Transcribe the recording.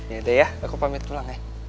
yaudah ya aku pamit pulang ya